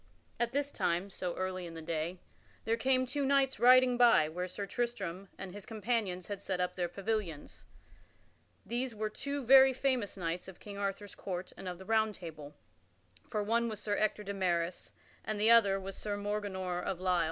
At this time, so early in the day, there came two knights riding by where Sir Tristram and his companions had set up their pavilions. These were two very famous knights of King Arthur's court and of the Round Table; for one was Sir Ector de Maris and the other was Sir Morganor of Lisle.